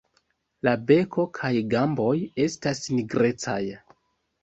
La beko kaj gamboj estas nigrecaj.